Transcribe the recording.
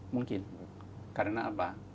mungkin karena apa